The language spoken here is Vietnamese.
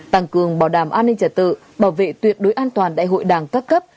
tăng cường bảo đảm an ninh trả tự bảo vệ tuyệt đối an toàn đại hội đảng các cấp